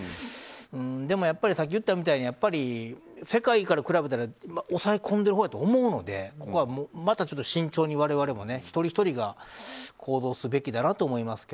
でもさっき言ったみたいに世界から比べたら抑え込んでるほうだと思うのでまた慎重に我々も一人ひとりが行動すべきだなと思います。